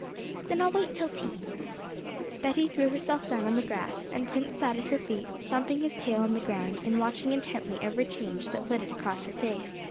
'Then I'll wait till tea.' Betty threw herself down on the grass, and Prince sat at her feet, thumping his tail on the ground, and watching intently every change that flitted across her face.